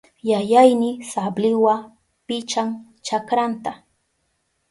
Yayayni sabliwa pichan chakranta.